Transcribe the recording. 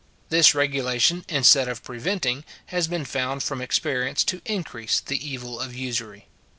This regulation, instead of preventing, has been found from experience to increase the evil of usury.